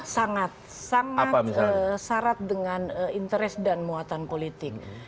sangat sangat syarat dengan interest dan muatan politik